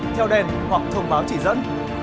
theo đèn hoặc thông báo chỉ dẫn